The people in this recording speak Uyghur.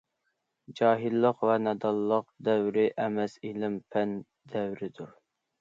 جاھىللىق ۋە نادانلىق دەۋرى ئەمەس ئىلىم- پەن دەۋرىدۇر.